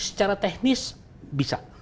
secara teknis bisa